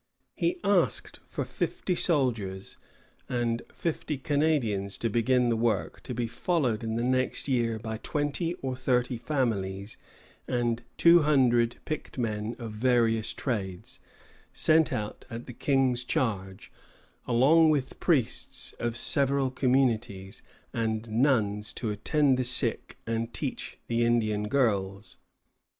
He asked for fifty soldiers and fifty Canadians to begin the work, to be followed in the next year by twenty or thirty families and by two hundred picked men of various trades, sent out at the King's charge, along with priests of several communities, and nuns to attend the sick and teach the Indian girls.